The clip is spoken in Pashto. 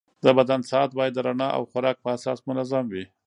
د بدن ساعت باید د رڼا او خوراک په اساس منظم وي.